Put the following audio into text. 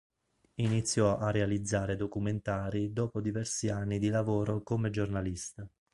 Iniziò a realizzare documentari dopo diversi anni di lavoro come giornalista.